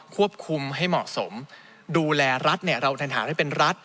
ควบคุมให้เหมาะสมดูแลรัฐเราทันหาให้เป็นรัฐ